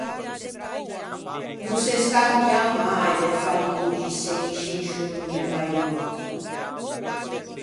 No se stanchian mai de fâ di doggi sensci in sciô nomme Vaigòtti.